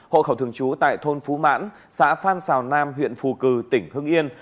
hộ khẩu thường trú tại thôn phú mãn xã phan xào nam huyện phù cử tỉnh hà nam